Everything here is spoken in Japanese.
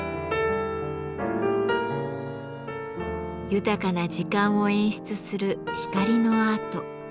豊かな時間を演出する光のアート。